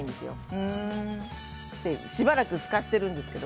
ふーんってしばらくすかしてるんですけど。